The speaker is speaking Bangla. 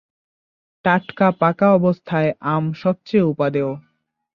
টাটকা পাকা অবস্থায় আম সবচেয়ে উপাদেয়।